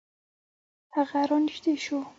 هغه را نژدې شو .